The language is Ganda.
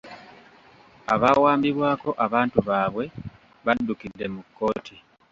Abaawambibwako abantu baabwe baddukidde mu kkooti.